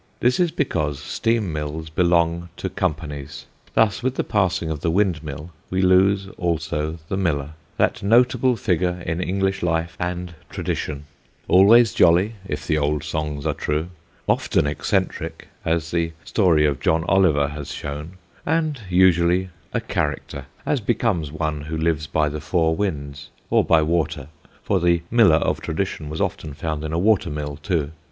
This is because steam mills belong to companies. Thus, with the passing of the windmill we lose also the miller, that notable figure in English life and tradition; always jolly, if the old songs are true; often eccentric, as the story of John Oliver has shown; and usually a character, as becomes one who lives by the four winds, or by water for the miller of tradition was often found in a water mill too.